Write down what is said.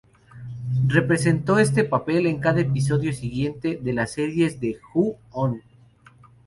Representó este papel en cada episodio siguiente de las series de Ju-on.